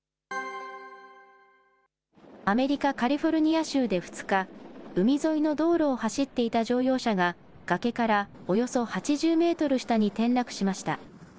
アメリカ・カリフォルニア州で２日、海沿いの道路を走っていた乗用車が崖からおよそ８０メートル下に転落しました。